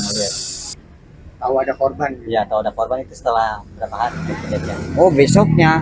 lihat tahu ada korban ya tahu ada korban itu setelah berapa hari kejadian oh besoknya